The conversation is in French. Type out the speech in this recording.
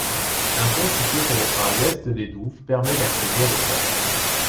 Un pont situé sur le bras ouest des douves permet d'accéder au château.